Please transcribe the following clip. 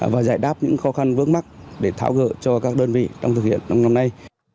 và giải đáp những khó khăn vướng mắt để tháo gỡ cho các đơn vị trong thực hiện trong năm nay